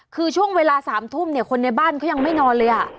คือช่วงเวลา๓ทุ่มเนี่ยคนในบ้านเขายังไม่นอนเลย